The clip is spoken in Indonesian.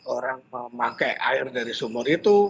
orang memakai air dari sumur itu